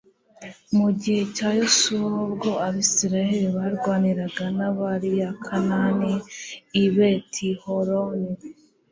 Mu gihe cya Yosnwa ubwo abisiraeli barwaniraga n'abariyakanani i Betihoroni